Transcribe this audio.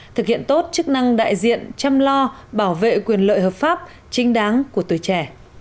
thực hiện tốt chức năng đại diện chăm lo bảo vệ quyền lợi hợp pháp chính đáng của tuổi trẻ